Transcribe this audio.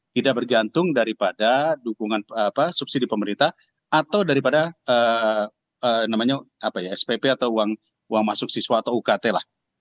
tidak bergantung daripada dukungan subsidi pemerintah atau daripada spp atau uang masuk siswa atau ukt lah